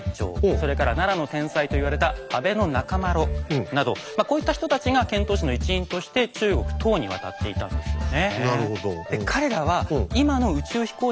それから奈良の天才と言われた阿倍仲麻呂などこういった人たちが遣唐使の一員として中国唐に渡っていたんですよね。